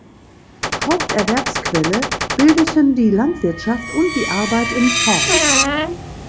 Haupterwerbsquelle bildeten die Landwirtschaft und die Arbeit im Forst.